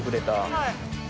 はい。